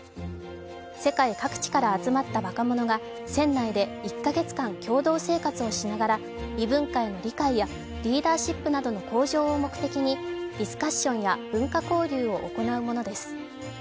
世界各地から集まった若者が船内で１カ月間共同生活をしながら異文化への理解やリーダーシップなどの向上を目的にディスカッションや文化交流を行うものです。